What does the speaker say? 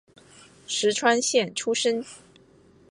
石川县出身。